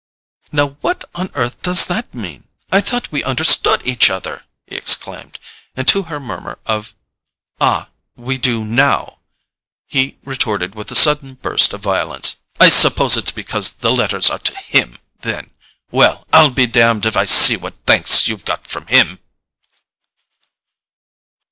"Now what on earth does that mean? I thought we understood each other!" he exclaimed; and to her murmur of "Ah, we do NOW," he retorted with a sudden burst of violence: "I suppose it's because the letters are to HIM, then? Well, I'll be damned if I see what thanks you've got from him!"